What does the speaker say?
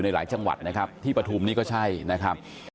หลายจังหวัดนะครับที่ปฐุมนี่ก็ใช่นะครับ